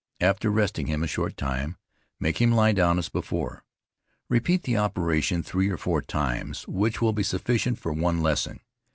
After resting him a short time, make him lie down as before. Repeat the operation three or four times, which will be sufficient for one lesson.